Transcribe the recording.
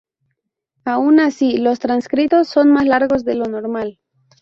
Aun así, los transcritos son más largos de lo normal.